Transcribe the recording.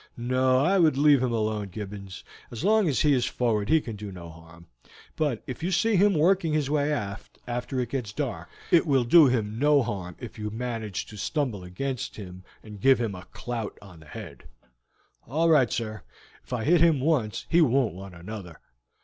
"No, I would leave him alone, Gibbons; as long as he is forward he can do no harm; but if you see him working his way aft, after it gets dark, it will do him no harm if you manage to stumble against him and give him a clout on the head." "All right, sir; if I hit him once he won't want another.